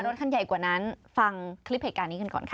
รถคันใหญ่กว่านั้นฟังคลิปเหตุการณ์นี้กันก่อนค่ะ